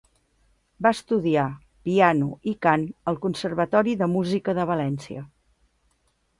Va estudiar, piano i cant al Conservatori de Música de València.